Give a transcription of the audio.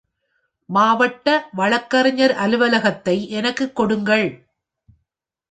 மாவட்ட வழக்கறிஞர் அலுவலகத்தை எனக்குக் கொடுங்கள்.